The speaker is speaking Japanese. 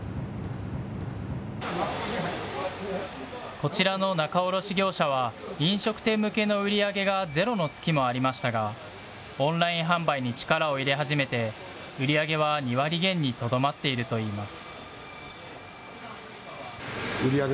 こちらの仲卸業者は、飲食店向けの売り上げがゼロの月もありましたが、オンライン販売に力を入れ始めて、売り上げは２割減にとどまっているといいます。